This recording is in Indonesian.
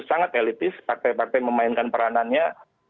sangat elitis partai partai memainkan peranannya